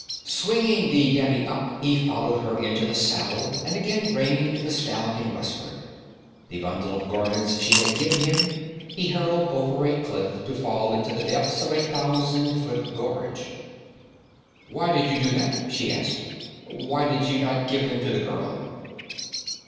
Swinging the Devi up, he followed her into the saddle and again reined the stallion westward. The bundle of garments she had given him, he hurled over a cliff, to fall into the depths of a thousand foot gorge. 'Why did you do that?' she asked. 'Why did you not give them to the girl?'